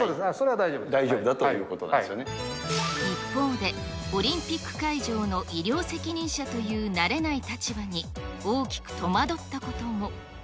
大丈夫だということなんです一方で、オリンピック会場の医療責任者という慣れない立場に、大きく戸惑ったことも。